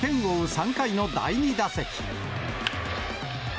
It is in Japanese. ３回の第２打席。